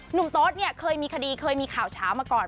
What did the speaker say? หนุ่มโต๊ดเคยมีคดีเคยมีข่าวเช้ามาก่อน